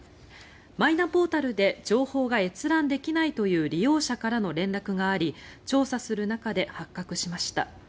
マイナポータルで情報が閲覧できないという利用者からの連絡があり調査する中で発覚しました。